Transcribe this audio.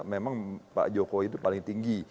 memang pak jokowi itu paling tinggi